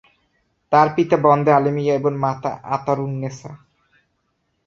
তার পিতা বন্দে আলী মিয়া এবং মাতা আতারুন্নেসা।